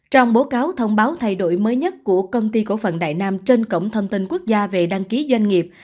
trong báo cáo thông báo thay đổi mới nhất của công ty cổ phận đại nam trên cổng thông tin quốc gia về đăng ký doanh nghiệp